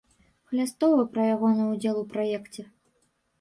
Хлястова пра ягоны ўдзел у праекце.